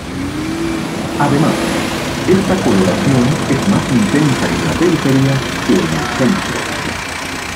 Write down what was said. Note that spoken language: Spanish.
Además, esta coloración es más intensa en la periferia que en el centro.